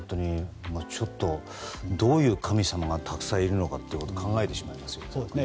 ちょっとどういう神様がたくさんいるのかを考えてしまいますね。